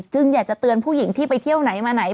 อยากจะเตือนผู้หญิงที่ไปเที่ยวไหนมาไหน